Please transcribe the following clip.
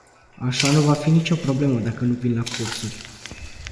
Așa nu va fi nicio problemă dacă nu vin la cursuri.